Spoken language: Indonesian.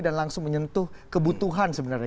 dan langsung menyentuh kebutuhan sebenarnya